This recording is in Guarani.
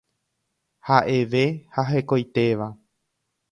Ha'eve ha hekoitéva.